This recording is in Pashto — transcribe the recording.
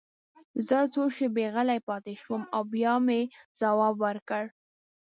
زه څو شېبې غلی پاتې شوم او بیا مې ځواب ورکړ